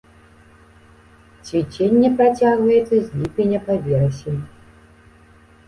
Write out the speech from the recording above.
Цвіценне працягваецца з ліпеня па верасень.